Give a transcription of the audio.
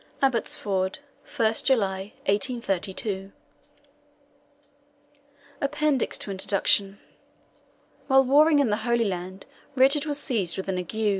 ABBOTSFORD, 1st July, 1832 APPENDIX TO INTRODUCTION. While warring in the Holy Land, Richard was seized with an ague.